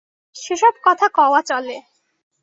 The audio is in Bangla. সে সব কথা কওয়া চলে।